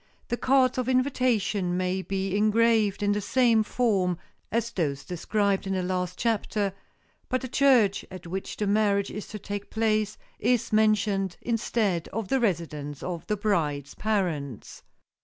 The cards of invitation may be engraved in the same form as those described in the last chapter, but the church at which the marriage is to take place is mentioned instead of the residence of the bride's parents.